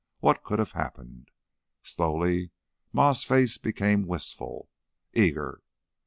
What could have happened? Slowly Ma's face became wistful, eager.